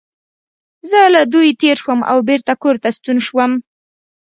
زه له دوی تېر شوم او بېرته کور ته ستون شوم.